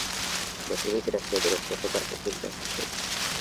مصنوعي ځیرکتیا د روغتیا په برخه کې مرسته کوي.